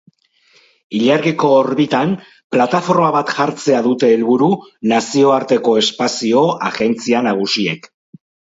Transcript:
Ilargiko orbitan plataforma bat jartzea dute helburu nazioarteko espazio agentzia nagusiek.